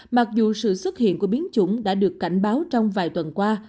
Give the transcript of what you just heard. mặc dù sự xuất hiện của biến chủng đã được cảnh báo trong vài tuần qua